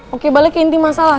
oke balik ke inti masalah